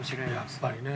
やっぱりね。